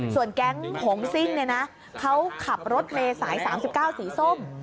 ส่วนแก๊งหงซิ่งเนี่ยนะเขาขับรถเมย์สาย๓๙สีส้ม